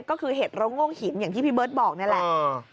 ก็คือเห็ดโรงโง่งหินอย่างที่พี่เบิร์ตบอกนี่แหละ